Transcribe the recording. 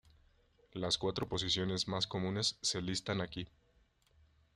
Las cuatro posiciones más comunes se listan aquí.